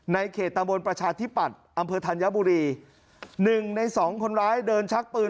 เขตตะบนประชาธิปัตย์อำเภอธัญบุรีหนึ่งในสองคนร้ายเดินชักปืน